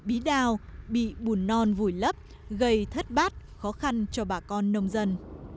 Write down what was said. ý đào bị bùn non vùi lấp gây thất bát khó khăn cho bà con nông dân